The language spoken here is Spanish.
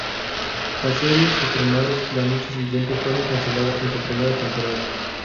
Las series estrenadas la noche siguiente fueron canceladas en su primera temporada.